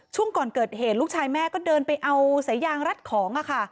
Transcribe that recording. ช่วงก่อนเกิดเหตุลูกชายแม่ก็เดินไปเอาสายยางรัดของค่ะ